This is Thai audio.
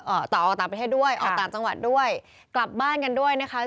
ต่อออกต่างประเทศด้วยออกต่างจังหวัดด้วยกลับบ้านกันด้วยนะคะ